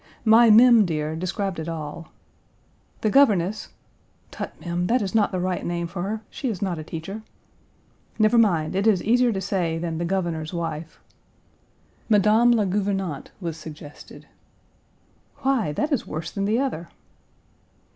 My Mem dear, described it all. "The Governess " ("Tut, Mem! that is not the right name for her she is not a teacher." "Never mind, it is the easier to say than the Governor's wife." "Madame la Gouvernante " was suggested. "Why? That is worse than the other!")